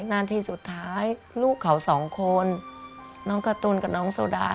นาทีสุดท้ายลูกเขาสองคนน้องการ์ตูนกับน้องโซดา